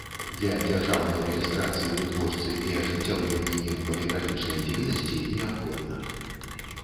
Для дзяржаўнай рэгiстрацыi вытворцы i ажыццяўлення iм палiграфiчнай дзейнасцi неабходна.